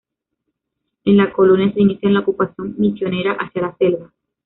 En la colonia se inicia la ocupación misionera hacia la selva.